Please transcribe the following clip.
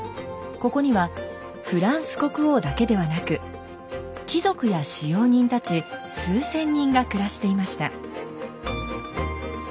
ここにはフランス国王だけではなく貴族や使用人たち数千人が暮らしていました。